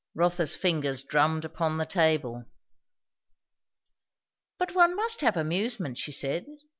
Rotha's fingers drummed upon the table. "But one must have amusement," she said.